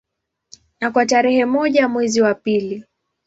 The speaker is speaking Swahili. Na kwa tarehe moja mwezi wa pili